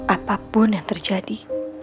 apapun yang terjadi